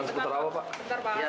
ingin tahu aja